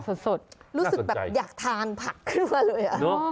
สดรู้สึกแบบอยากทานผักขึ้นมาเลย